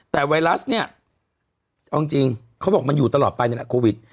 แต่ไวรัสเนี่ยเอาจริงเขาบอกมันอยู่ตลอดไปนี่แหละโควิด